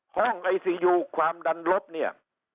ห้องไอซียูความดันลบเนี่ย